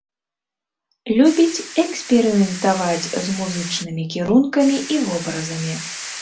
Любіць эксперыментаваць з музычнымі кірункамі і вобразамі.